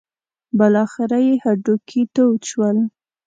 بالاخره یې هډوکي تود شول.